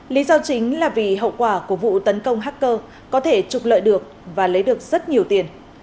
lý do chính là vì hậu quả của vụ tấn công hacker có thể trục lợi được và lấy được rất nhiều tiền